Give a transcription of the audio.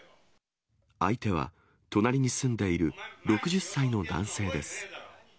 相手は、隣に住んでいる６０歳の男性です。